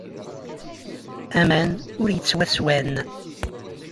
Aman ur yettwasswan.